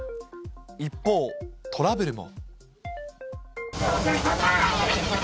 一方、トラブルも。